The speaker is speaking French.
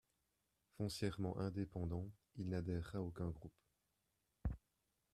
Foncièrement indépendant, il n’adhéra à aucun groupe.